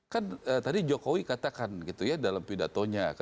kan tadi jokowi katakan gitu ya dalam pidatonya